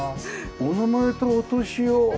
お名前とお年を。